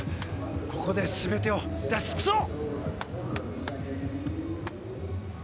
ここで全てを出し尽くそう！